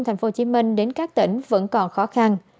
thành phố hồ chí minh đến các tỉnh vẫn còn khó khăn